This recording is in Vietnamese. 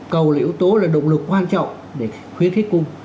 cầu là yếu tố là động lực quan trọng để khuyến khích cung